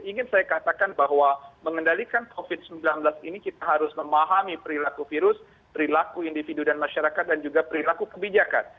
ingin saya katakan bahwa mengendalikan covid sembilan belas ini kita harus memahami perilaku virus perilaku individu dan masyarakat dan juga perilaku kebijakan